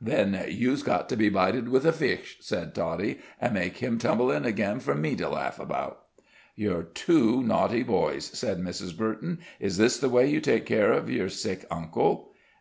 "Then you's got to be bited with a fiss," said Toddie, "an' make him tumble in again, for me to laugh 'bout." "You're two naughty boys," said Mrs. Burton. "Is this the way you take care of your sick uncle?"